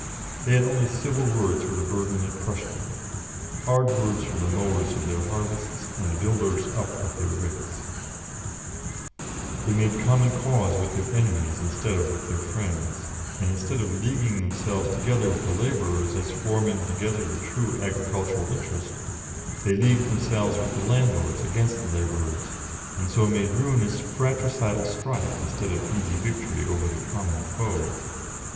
They had only civil words for the burden that crushed them, hard words for the mowers of their harvests and the builders up of their ricks; they made common cause with their enemies instead of with their friends, and instead of leaguing themselves together with the labourers as forming together the true agricultural interest, they leagued themselves with the landlords against the labourers, and so made ruinous fratricidal strife instead of easy victory over the common foe.